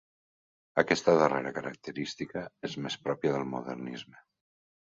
Aquesta darrera característica és més pròpia del modernisme.